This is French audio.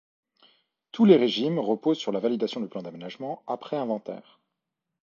Tous les régimes reposent sur la validation du plan d’aménagement après inventaire.